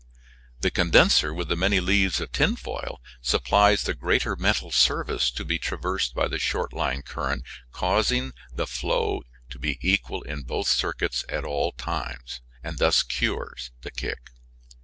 The condenser, with the many leaves of tin foil, supplies the greater metal surface to be traversed by the short line current, causes the flow to be equal in both circuits at all times, and thus cures the "kick."